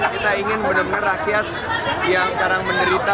kita ingin benar benar rakyat yang sekarang menderita